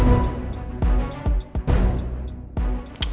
putri usus goreng